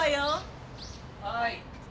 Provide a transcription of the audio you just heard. はい。